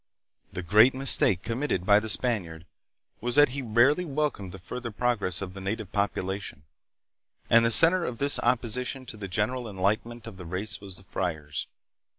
The great mistake committed by the Span iard was that he rarely welcomed the further progress of the native population, and the center of this opposition to the general enlightenment of the race was the friars.